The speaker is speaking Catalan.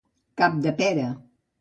Cap de pera.